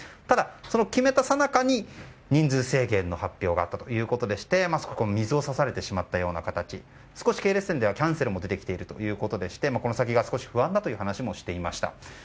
ただ、その決めたさなかに人数制限の発表があったということでして水をさされてしまったような形で系列店ではキャンセルも出てきているということでしてこの先が少し不安ですという話もしていました。